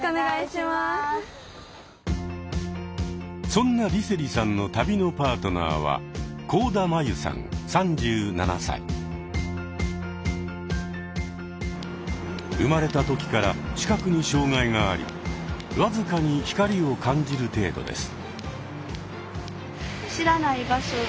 そんな梨星さんの旅のパートナーは生まれた時から視覚に障害があり僅かに光を感じる程度です。